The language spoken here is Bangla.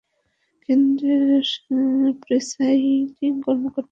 কেন্দ্রের প্রিসাইডিং কর্মকর্তাকে বারবার ফোন করে স্ট্রাইকিং ফোর্স চাইতে শোনা যায়।